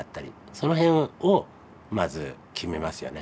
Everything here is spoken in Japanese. その辺をまず決めますよね。